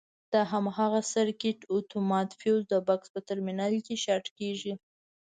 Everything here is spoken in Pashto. د هماغه سرکټ اتومات فیوز د بکس په ترمینل کې شارټ کېږي.